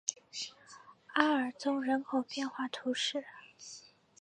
阿尔宗人口变化图示